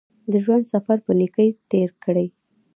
د ژوند سفر په نېکۍ تېر کړئ.